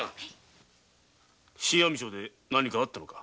新網町で何かあったのか？